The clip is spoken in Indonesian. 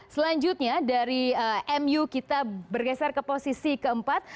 selanjutnya dari mu kita bergeser ke posisi keempat